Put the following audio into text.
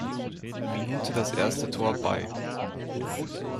Minute das erste Tor bei.